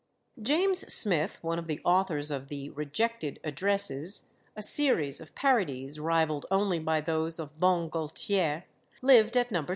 James Smith, one of the authors of the Rejected Addresses, a series of parodies rivalled only by those of Bon Gaultier, lived at No.